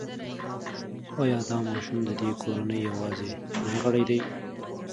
ایا دا ماشوم د دې کورنۍ یوازینی غړی دی؟